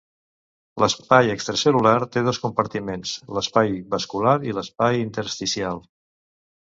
L'espai extracel·lular té dos compartiments: l'espai vascular i l'espai intersticial.